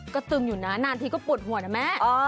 ก็ตึงอยู่นะนานทีก็ปวดหัวนะแม่